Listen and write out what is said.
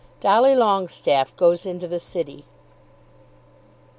DOLLY LONGESTAFFE GOES INTO THE CITY.